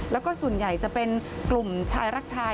แล้วก็ส่วนใหญ่จะเป็นกลุ่มชายรักชาย